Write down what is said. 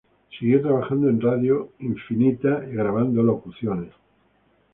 Siguió trabajando en Radio Infinita grabando locuciones.